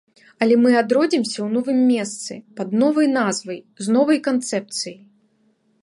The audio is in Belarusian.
Але мы адродзімся ў новым месцы, пад новай назвай, з новай канцэпцыяй.